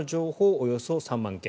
およそ３万件。